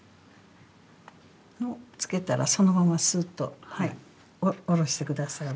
をつけたらそのまますっと下ろして下さい。